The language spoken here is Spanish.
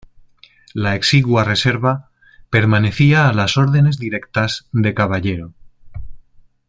La exigua reserva permanecía a las órdenes directas de Caballero.